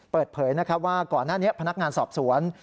เปิดเผยนะครับว่าก่อนหน้านี้พนักงานสอบสวน